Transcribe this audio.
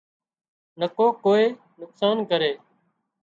نڪو ڪوئي نقصان ڪري